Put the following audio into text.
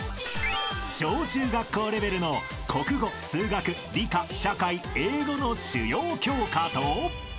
［小・中学校レベルの国語数学理科社会英語の主要教科と］